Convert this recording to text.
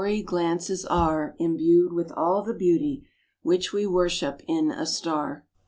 glances are Imbued with all the beauty Which we worship in a star.